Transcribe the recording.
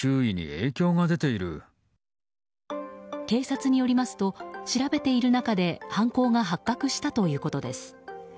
警察によりますと調べている中で犯行が発覚したということです。